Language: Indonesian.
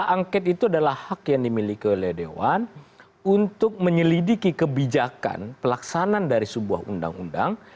hak angket itu adalah hak yang dimiliki oleh dewan untuk menyelidiki kebijakan pelaksanaan dari sebuah undang undang